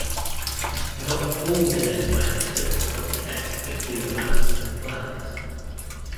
Not all the known manuscripts of the text include the maps and plans.